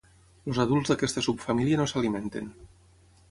Els adults d'aquesta subfamília no s'alimenten.